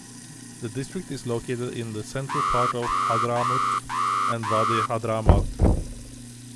The district is located in the central part of Hadhramaut and Wadi Hadhramaut.